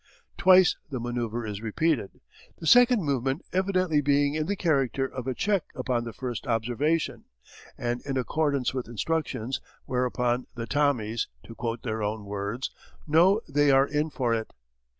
Twice the manoeuvre is repeated, the second movement evidently being in the character of a check upon the first observation, and in accordance with instructions, whereupon the Tommies, to quote their own words, "know they are in for it!"